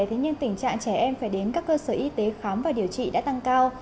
thế nhưng tình trạng trẻ em phải đến các cơ sở y tế khám và điều trị đã tăng cao